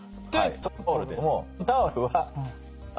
はい。